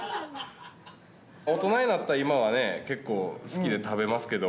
大人になった今はね、結構、好きで食べますけど。